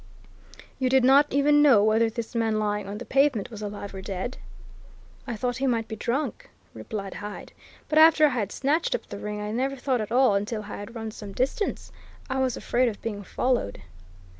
"You did not even know whether this man lying on the pavement was alive or dead?" "I thought he might be drunk," replied Hyde. "But after I had snatched up the ring I never thought at all until I had run some distance. I was afraid of being followed."